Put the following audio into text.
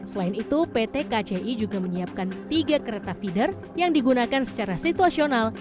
selain itu pt kci juga menyiapkan tiga kereta feeder yang digunakan secara situasional